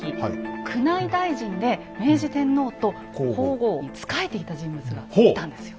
宮内大臣で明治天皇と皇后に仕えていた人物がいたんですよ。